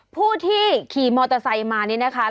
ผู้ที่ขี่มอเตอร์ไซค์มานี่นะคะ